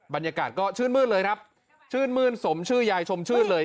บรรยากาศก็ชื่นมืดเลยครับชื่นมื้นสมชื่อยายชมชื่นเลย